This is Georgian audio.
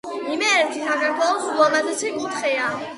იმერეთი საქართველოს ულამაზესი კუთხეა